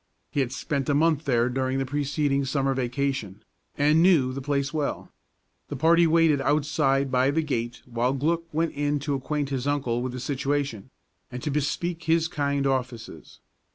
He had spent a month there during the preceding summer vacation, and knew the place well. The party waited outside by the gate while Glück went in to acquaint his uncle with the situation, and to bespeak his kind offices.